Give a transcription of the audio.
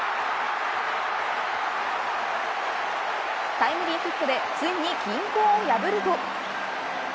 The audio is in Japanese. タイムリーヒットでついに均衡を破ると。